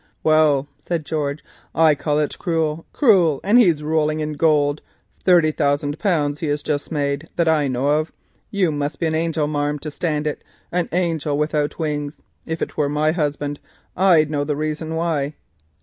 "Well," said George, "I call it cruel—cruel, and he rolling in gold. Thirty thousand pounds he hev just made, that I knows on. You must be an angel, marm, to stand it, an angel without wings. If it were my husband, now I'd know the reason why."